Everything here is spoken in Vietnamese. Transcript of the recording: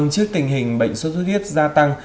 trước tình hình bệnh xuất xuất huyết gia tăng